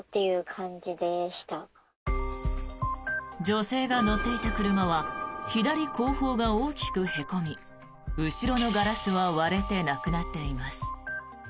女性が乗っていた車は左後方が大きくへこみ後ろのガラスは割れてなくなっています。